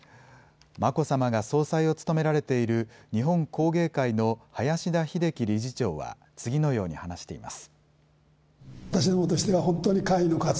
眞子さまが総裁を務められている、日本工芸会の林田英樹理事長は、次のように話しています。